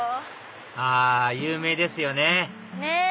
あ有名ですよねねっ。